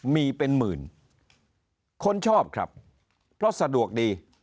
มีเป็นหมื่นคนชอบครับเพราะสะดวกดี